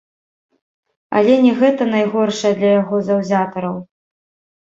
Але не гэта найгоршае для яго заўзятараў.